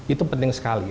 itu penting sekali